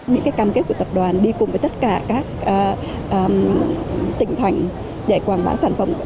những cam kết của tập đoàn đi cùng với tất cả các tỉnh thành để quảng bá sản phẩm